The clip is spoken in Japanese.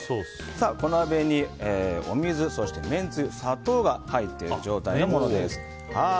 小鍋にお水、めんつゆ、砂糖が入っている状態のものです。